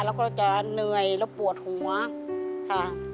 แล้วก็จะเหนื่อยแล้วปวดหัวค่ะ